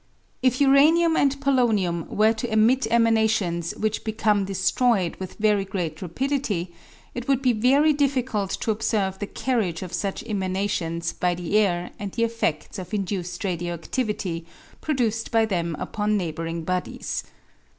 If uranium and polonium were to emit emanations which be come destroyed with very great rapidity, it would be very difficult to observe the carriage of such emanations by the air and the effeds of induced radio adivity produced by them upon neighbouring bodies.